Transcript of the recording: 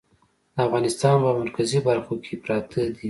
د افغانستان په مرکزي برخو کې پراته دي.